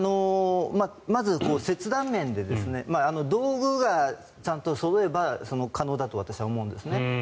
まず切断面で道具がちゃんとそろえば可能だと私は思うんですね。